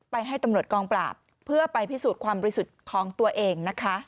ให้ตำรวจกองปราบเพื่อไปพิสูจน์ความบริสุทธิ์ของตัวเองนะคะ